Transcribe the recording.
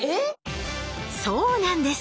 そうなんです！